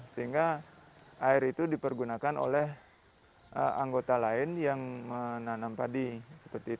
sehingga air itu dipergunakan oleh anggota lain yang menanam padi